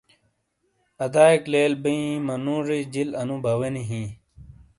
ادئیئک لیل بیئن منُوژیئی جِیل اَنُو باوینی ہِیں۔